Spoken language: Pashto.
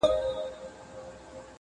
دا وړانګي له خلوته ستا یادونه تښتوي،